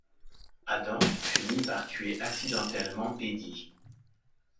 Adam finit par tuer accidentellement Eddie.